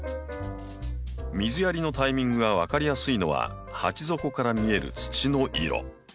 水やりのタイミングが分かりやすいのは鉢底から見える土の色。